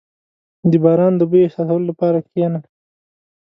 • د باران د بوی احساسولو لپاره کښېنه.